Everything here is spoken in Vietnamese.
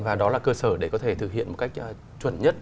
và đó là cơ sở để có thể thực hiện một cách chuẩn nhất